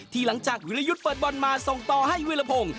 หลังจากวิรยุทธ์เปิดบอลมาส่งต่อให้วิรพงศ์